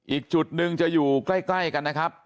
อีกจุดหนึ่งจะอยู่ใกล้กันนะครับ